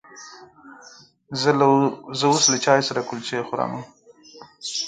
زه اوس له چای سره کلچې خورمه.